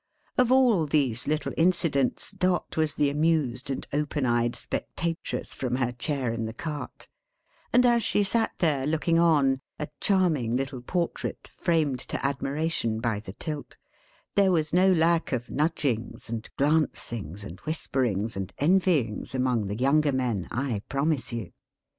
Of all these little incidents, Dot was the amused and open eyed spectatress from her chair in the cart; and as she sat there, looking on: a charming little portrait framed to admiration by the tilt: there was no lack of nudgings and glancings and whisperings and envyings among the younger men, I promise you.